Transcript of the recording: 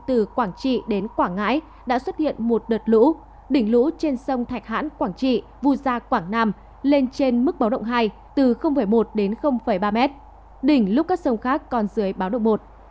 từ quảng trị đến quảng ngãi đã xuất hiện một đợt lũ đỉnh lũ trên sông thạch hãn quảng trị vu gia quảng nam lên trên mức báo động hai từ một đến ba m đỉnh lúc các sông khác còn dưới báo động một